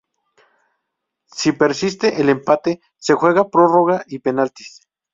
Si persiste el empate se juega prórroga y penaltis.